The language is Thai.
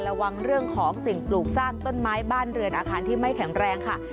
ระวังเรื่องของสิ่งปลูกสร้างต้นไม้บ้านเรือนอาคารที่ไม่แข็งแรงค่ะ